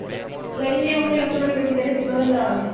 La línea une la Zona Universitaria situada en la Av.